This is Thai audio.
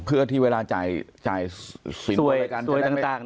เพื่อที่เวลาจ่ายสินค้นไปกัน